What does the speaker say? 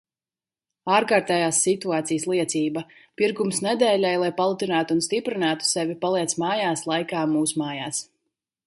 Ārkārtējās situācijas liecība. Pirkums nedēļai, lai palutinātu un stiprinātu sevi paliec mājās laikā mūsmājās.